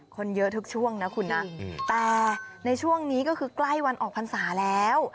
คนเยอะทุกช่วงนะคุณนะแต่ในช่วงนี้ก็คือใกล้วันออกพรรษาแล้ว